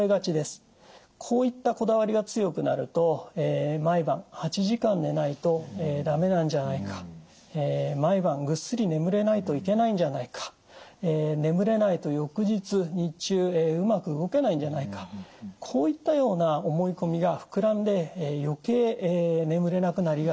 こういったこだわりが強くなると毎晩８時間寝ないと駄目なんじゃないか毎晩ぐっすり眠れないといけないんじゃないか眠れないと翌日日中うまく動けないんじゃないかこういったような思い込みが膨らんで余計眠れなくなりがちなんです。